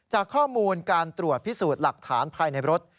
จากข้อมูลการตรวจพิสูจน์หลักฐานภายในรถ